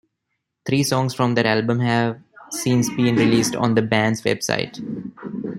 Three songs from that album have since been released on the band's website.